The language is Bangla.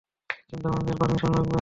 কিন্তু আমাদের পারমিশন লাগবে।